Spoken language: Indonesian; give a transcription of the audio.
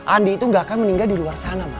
andi itu gak akan meninggal di luar sana ma